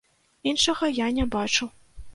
Іншага я не бачу.